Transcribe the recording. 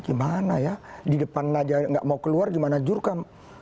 gimana ya di depan aja nggak mau keluar gimana jurkam